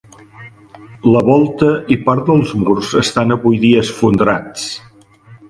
La volta i part dels murs estan avui dia esfondrats.